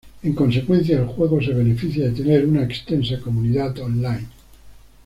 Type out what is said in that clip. En consecuencia, el juego se beneficia de tener una extensa comunidad online.